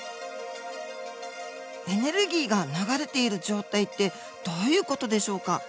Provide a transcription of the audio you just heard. エネルギーが流れている状態ってどういう事でしょうか。